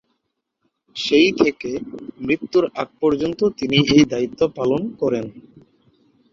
সেই থেকে মৃত্যুর আগ পর্যন্ত তিনি এই দায়িত্ব পালন করেন।